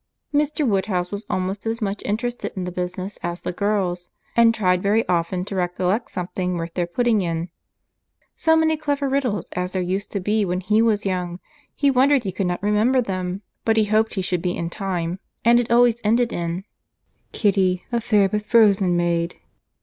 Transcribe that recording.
Mr. Woodhouse was almost as much interested in the business as the girls, and tried very often to recollect something worth their putting in. "So many clever riddles as there used to be when he was young—he wondered he could not remember them! but he hoped he should in time." And it always ended in "Kitty, a fair but frozen maid."